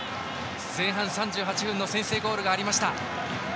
前半３８分の先制ゴールがありました。